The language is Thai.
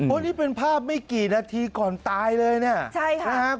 โอ้นี่เป็นภาพไม่กี่นาทีก่อนตายเลยเนี่ย